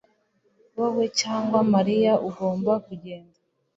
Wowe cyangwa Mariya ugomba kugenda